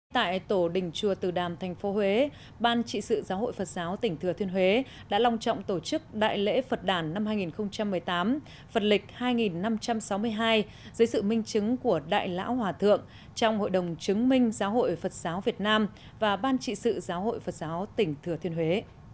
tại tổ đình chùa từ đàm tp huế ban trị sự giáo hội phật giáo tỉnh thừa thiên huế đã long trọng tổ chức đại lễ phật đàn năm hai nghìn một mươi tám phật lịch hai năm trăm sáu mươi hai dưới sự minh chứng của đại lão hòa thượng trong hội đồng chứng minh giáo hội phật giáo việt nam và ban trị sự giáo hội phật giáo tỉnh thừa thiên huế